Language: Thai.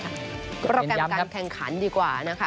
ก็เป็นย้ำครับโปรแกรมการแข่งขันดีกว่านะคะ